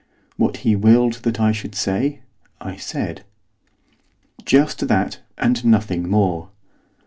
What he willed that I should say, I said. Just that, and nothing more.